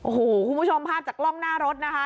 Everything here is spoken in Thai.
โอ้โหคุณผู้ชมภาพจากกล้องหน้ารถนะคะ